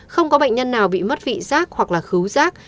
không có bệnh nhân nào bị mất vị giác hoặc là khứu giác